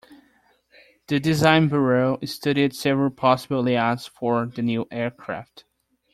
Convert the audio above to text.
The design bureau studied several possible layouts for the new aircraft.